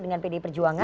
dengan pd perjuangan